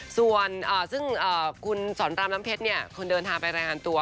ส่วนซึ่งคุณสอนรามน้ำเพชรคนเดินทางไปรายงานตัว